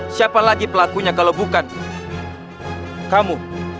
siapa lagi pelakunya kalau bukan kamu